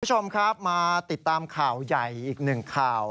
คุณผู้ชมครับมาติดตามข่าวใหญ่อีกหนึ่งข่าว